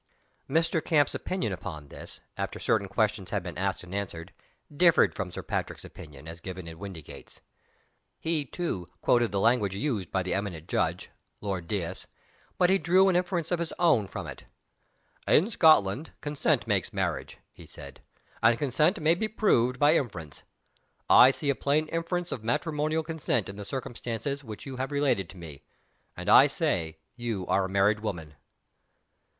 Mr. Camp's opinion given upon this, after certain questions had been asked and answered, differed from Sir Patrick's opinion, as given at Windygates. He too quoted the language used by the eminent judge Lord Deas but he drew an inference of his own from it. "In Scotland, consent makes marriage," he said; "and consent may be proved by inference. I see a plain inference of matrimonial consent in the circumstances which you have related to me and I say you are a married woman."